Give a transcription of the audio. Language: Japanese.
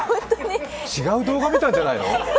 違う動画見たんじゃないの？